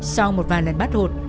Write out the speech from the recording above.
sau một vài lần bắt hột